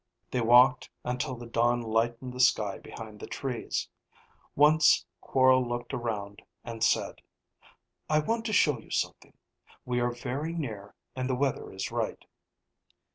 They walked until the dawn lightened the sky behind the trees. Once Quorl looked around and said, "I want to show you something. We are very near, and the weather is right."